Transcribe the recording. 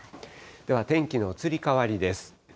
では天気の移り変わりです。